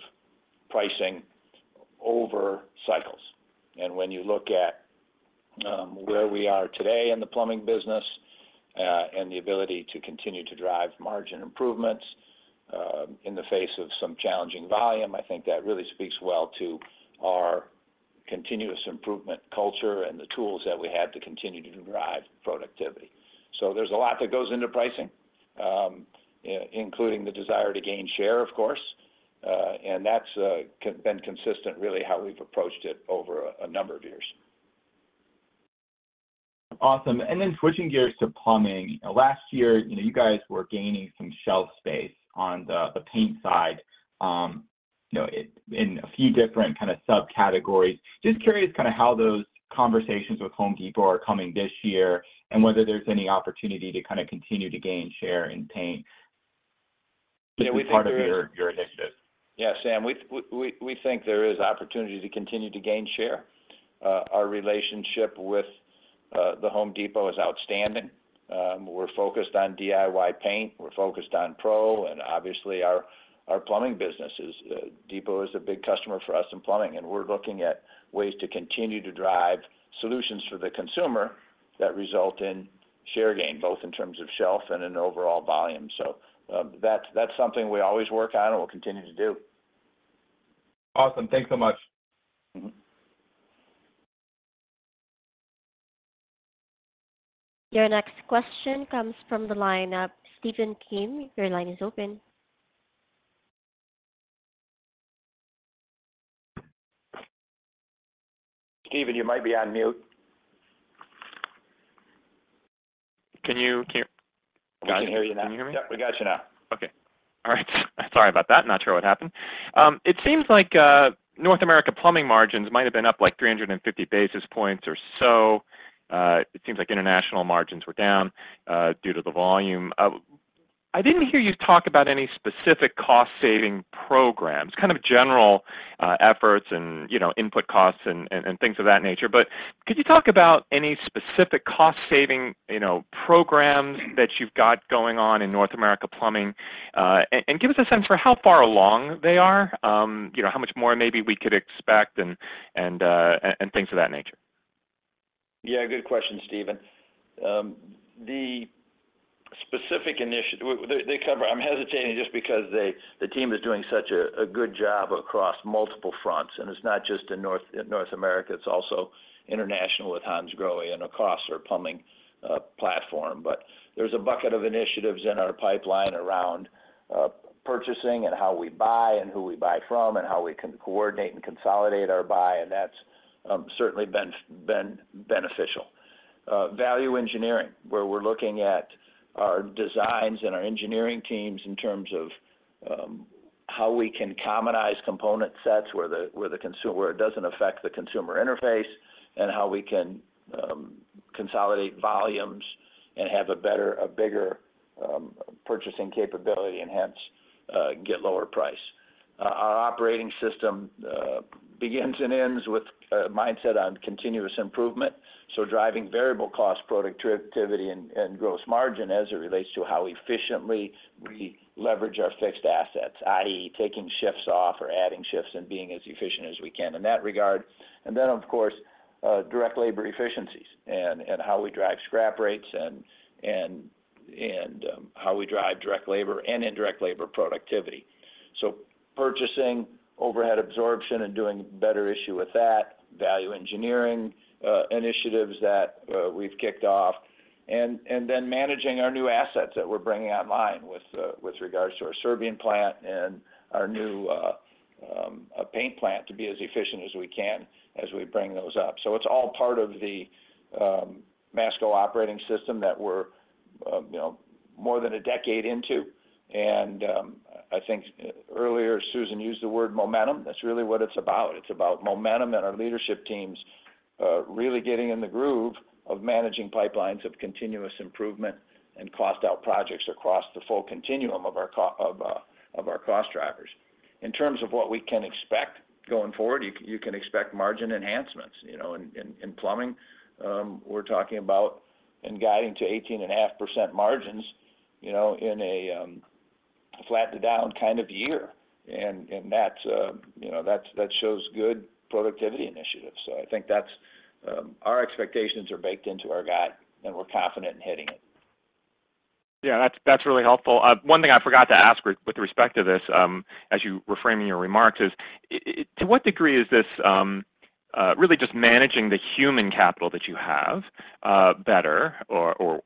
pricing over cycles. When you look at where we are today in the plumbing business, and the ability to continue to drive margin improvements, in the face of some challenging volume, I think that really speaks well to our continuous improvement culture and the tools that we have to continue to drive productivity. So there's a lot that goes into pricing, including the desire to gain share, of course, and that's been consistent, really, how we've approached it over a number of years. Awesome. And then switching gears to plumbing. Last year, you know, you guys were gaining some shelf space on the paint side, you know, in a few different kinda subcategories. Just curious kinda how those conversations with Home Depot are coming this year, and whether there's any opportunity to kinda continue to gain share in paint, just as part of your initiative? Yeah, Sam, we think there is opportunity to continue to gain share. Our relationship with The Home Depot is outstanding. We're focused on DIY paint, we're focused on Pro, and obviously, our plumbing business is. Depot is a big customer for us in plumbing, and we're looking at ways to continue to drive solutions for the consumer that result in share gain, both in terms of shelf and in overall volume. So, that's something we always work on and will continue to do. Awesome. Thanks so much. Mm-hmm. Your next question comes from the line of Stephen Kim. Your line is open. Steven, you might be on mute. Can you hear- We can hear you now. Can you hear me? Yep, we got you now. Okay. All right. Sorry about that. Not sure what happened. It seems like North America Plumbing margins might have been up, like, 350 basis points or so. It seems like international margins were down due to the volume. I didn't hear you talk about any specific cost-saving programs, kind of general efforts and, you know, input costs and things of that nature. But could you talk about any specific cost-saving, you know, programs that you've got going on in North America Plumbing? And give us a sense for how far along they are, you know, how much more maybe we could expect and things of that nature. Yeah, good question, Stephen. The specific initiative they cover—I'm hesitating just because the team is doing such a good job across multiple fronts, and it's not just in North America, it's also international, with Hansgrohe and across our plumbing platform. But there's a bucket of initiatives in our pipeline around purchasing and how we buy and who we buy from and how we can coordinate and consolidate our buy, and that's certainly been beneficial. Value engineering, where we're looking at our designs and our engineering teams in terms of how we can commonize component sets, where it doesn't affect the consumer interface, and how we can consolidate volumes and have a better, bigger purchasing capability and hence get lower price. Our operating system begins and ends with a mindset on continuous improvement. So driving variable cost, productivity and gross margin as it relates to how efficiently we leverage our fixed assets, i.e., taking shifts off or adding shifts and being as efficient as we can in that regard. And then, of course, direct labor efficiencies and how we drive scrap rates and how we drive direct labor and indirect labor productivity. So purchasing, overhead absorption, and doing better issue with that, value engineering initiatives that we've kicked off, and then managing our new assets that we're bringing online with regards to our Serbian plant and our new a paint plant, to be as efficient as we can as we bring those up. It's all part of the Masco operating system that we're, you know, more than a decade into. I think earlier, Susan used the word momentum. That's really what it's about. It's about momentum and our leadership teams really getting in the groove of managing pipelines of continuous improvement and cost out projects across the full continuum of our cost drivers. In terms of what we can expect going forward, you can expect margin enhancements. You know, in plumbing, we're talking about and guiding to 18.5% margins, you know, in a flat to down kind of year. And that's, you know, that shows good productivity initiatives. I think that's our expectations are baked into our guide, and we're confident in hitting it. Yeah, that's really helpful. One thing I forgot to ask with respect to this, as you were framing your remarks, is to what degree is this really just managing the human capital that you have better or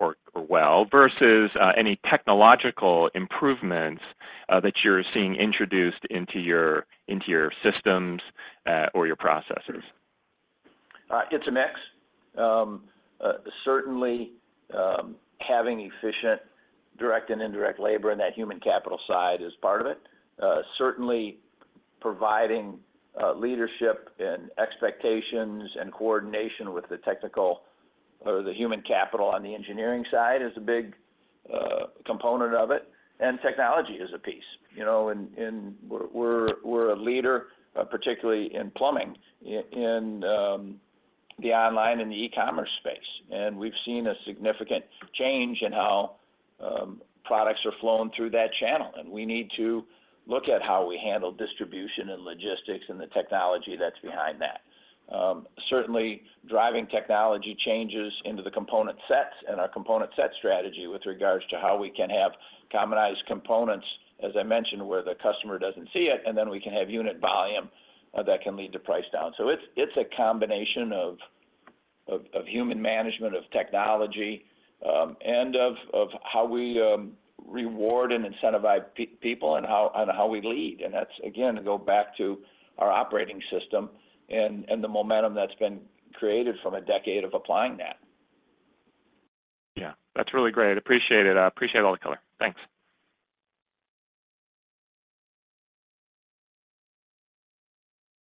well vs any technological improvements that you're seeing introduced into your systems or your processes? It's a mix. Certainly, having efficient direct and indirect labor in that human capital side is part of it. Certainly, providing leadership and expectations and coordination with the technical or the human capital on the engineering side is a big component of it, and technology is a piece. You know, we're a leader, particularly in plumbing, in the online and the e-commerce space. And we've seen a significant change in how products are flowing through that channel, and we need to look at how we handle distribution and logistics and the technology that's behind that. Certainly, driving technology changes into the component sets and our component set strategy with regards to how we can have commonized components, as I mentioned, where the customer doesn't see it, and then we can have unit volume that can lead to price down. So it's a combination of human management, of technology, and of how we reward and incentivize people, and how we lead. And that's, again, to go back to our operating system and the momentum that's been created from a decade of applying that. Yeah. That's really great. I appreciate it. I appreciate all the color. Thanks.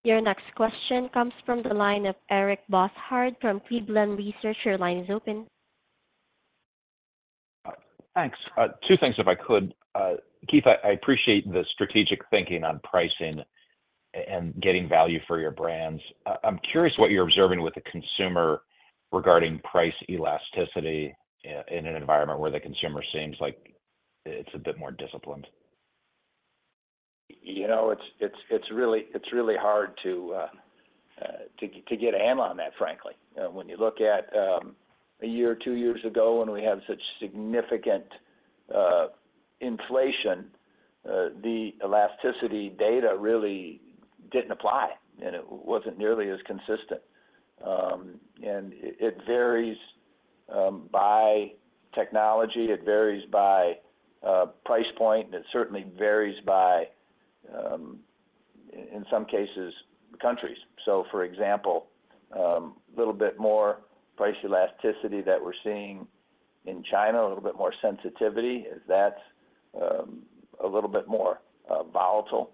Your next question comes from the line of Eric Bosshard from Cleveland Research. Your line is open. Thanks. Two things, if I could. Keith, I appreciate the strategic thinking on pricing and getting value for your brands. I'm curious what you're observing with the consumer regarding price elasticity, in an environment where the consumer seems like it's a bit more disciplined. You know, it's really hard to get a handle on that, frankly. When you look at a year or two years ago, when we had such significant inflation, the elasticity data really didn't apply, and it wasn't nearly as consistent. And it varies by technology, it varies by price point, and it certainly varies by, in some cases, countries. So for example, a little bit more price elasticity that we're seeing in China, a little bit more sensitivity, is that a little bit more volatile.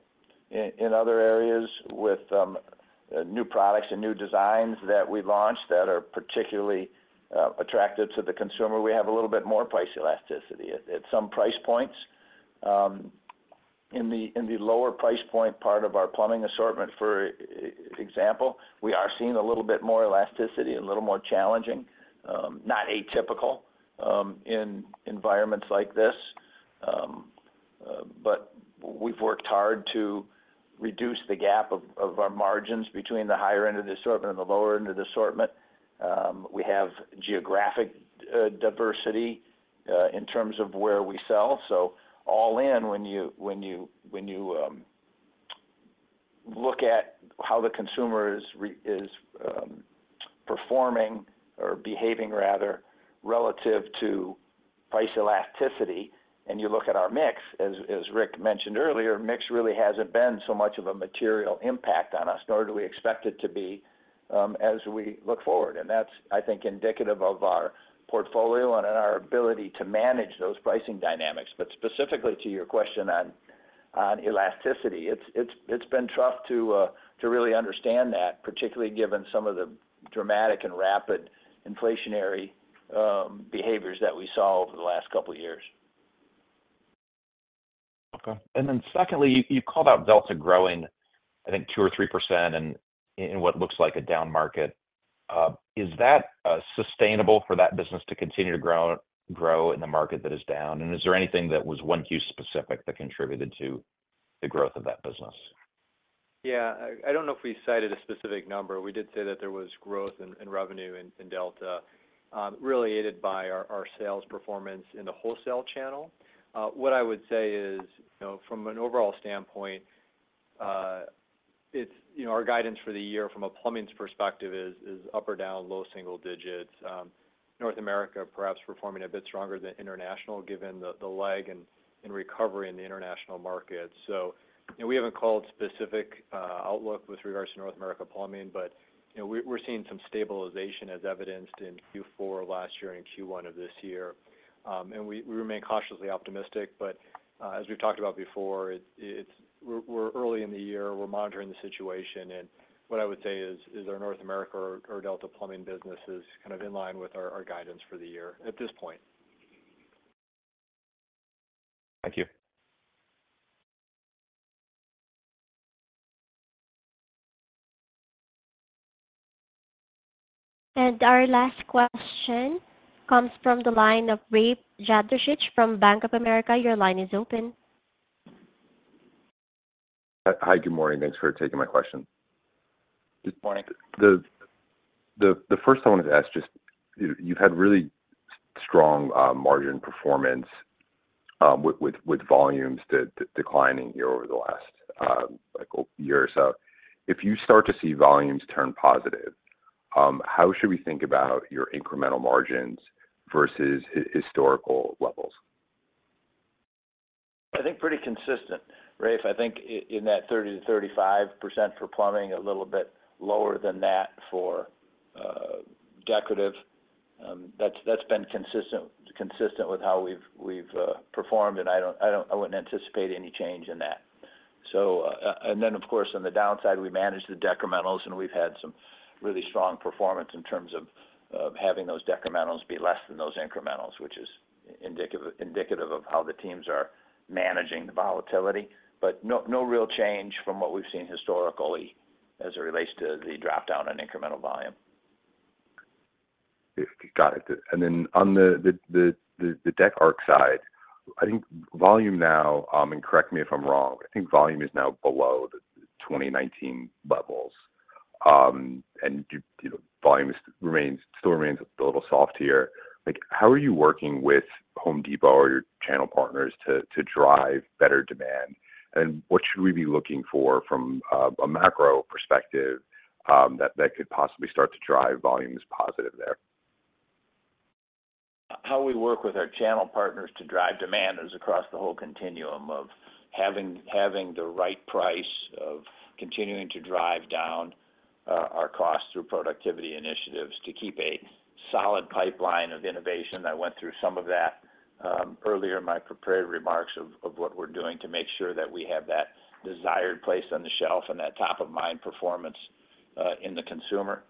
In other areas with new products and new designs that we've launched that are particularly attractive to the consumer, we have a little bit more price elasticity. At some price points, in the lower price point part of our plumbing assortment, for example, we are seeing a little bit more elasticity and a little more challenging, not atypical, in environments like this. But we've worked hard to reduce the gap of our margins between the higher end of the assortment and the lower end of the assortment. We have geographic diversity in terms of where we sell. So all in, when you look at how the consumer is performing or behaving rather, relative to price elasticity, and you look at our mix, as Rick mentioned earlier, mix really hasn't been so much of a material impact on us, nor do we expect it to be, as we look forward. That's, I think, indicative of our portfolio and our ability to manage those pricing dynamics. But specifically to your question on elasticity. It's been tough to really understand that, particularly given some of the dramatic and rapid inflationary behaviors that we saw over the last couple of years. Okay. And then secondly, you called out Delta growing, I think 2% or 3% in what looks like a down market. Is that sustainable for that business to continue to grow in the market that is down? And is there anything that was 1Q specific that contributed to the growth of that business? Yeah, I don't know if we cited a specific number. We did say that there was growth in revenue in Delta, really aided by our sales performance in the wholesale channel. What I would say is, you know, from an overall standpoint, it's, you know, our guidance for the year from a plumbing perspective is up or down, low single digits. North America, perhaps performing a bit stronger than international, given the lag in recovery in the international market. So, you know, we haven't called specific outlook with regards to North America plumbing, but, you know, we're seeing some stabilization as evidenced in Q4 of last year and Q1 of this year. And we remain cautiously optimistic, but, as we've talked about before, it's, we're early in the year. We're monitoring the situation, and what I would say is our North America or our Delta plumbing business is kind of in line with our guidance for the year at this point. Thank you. Our last question comes from the line of Rafe Jadrosich from Bank of America. Your line is open. Hi, good morning. Thanks for taking my question. Good morning. The first I wanted to ask, just, you've had really strong margin performance with volumes declining here over the last like year or so. If you start to see volumes turn positive, how should we think about your incremental margins vs historical levels? I think pretty consistent, Rafe. I think in that 30%-35% for plumbing, a little bit lower than that for decorative. That's been consistent with how we've performed, and I don't, I wouldn't anticipate any change in that. So, and then, of course, on the downside, we managed the decrementals, and we've had some really strong performance in terms of having those decrementals be less than those incrementals, which is indicative of how the teams are managing the volatility. But no, no real change from what we've seen historically as it relates to the drop down in incremental volume. Got it. And then on the Decor side, I think volume now, and correct me if I'm wrong, I think volume is now below the 2019 levels. And you know, volume still remains a little soft here. Like, how are you working with Home Depot or your channel partners to drive better demand? And what should we be looking for from a macro perspective, that could possibly start to drive volumes positive there? How we work with our channel partners to drive demand is across the whole continuum of having the right price, of continuing to drive down our costs through productivity initiatives, to keep a solid pipeline of innovation. I went through some of that earlier in my prepared remarks of what we're doing to make sure that we have that desired place on the shelf and that top-of-mind performance in the consumer.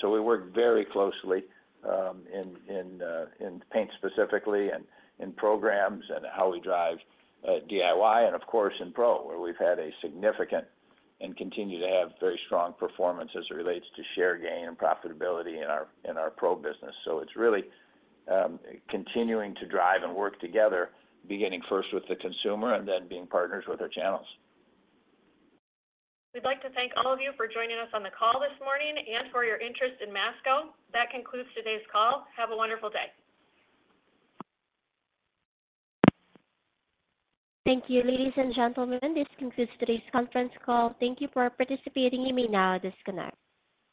So we work very closely in paint specifically and in programs and how we drive DIY and of course, in Pro, where we've had a significant and continue to have very strong performance as it relates to share gain and profitability in our Pro business. It's really continuing to drive and work together, beginning first with the consumer and then being partners with our channels. We'd like to thank all of you for joining us on the call this morning and for your interest in Masco. That concludes today's call. Have a wonderful day. Thank you, ladies and gentlemen. This concludes today's conference call. Thank you for participating. You may now disconnect.